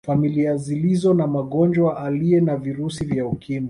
Familia zilizo na mgonjwa aliye na virusi vya Ukimwi